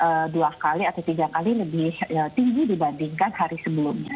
itu dua kali atau tiga kali lebih tinggi dibandingkan hari sebelumnya